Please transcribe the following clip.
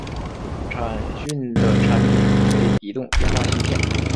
展讯的产品为移动电话芯片。